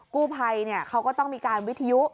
กู้ภัยเขาก็ต้องมีการวิทยุ